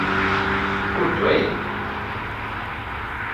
Kur tu ej?